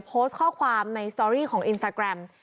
โพสต์ข้อความในสตอรี่ของอินสตาแกรม